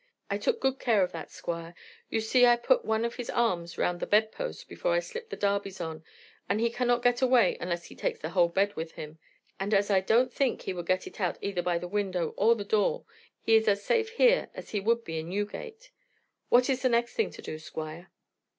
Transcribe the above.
"I took good care of that, Squire; you see I put one of his arms round the bedpost before I slipped the darbys on, and he cannot get away unless he takes the whole bed with him; and as I don't think he would get it out either by the window or the door, he is as safe here as he would be in Newgate. What is the next thing to do, Squire?"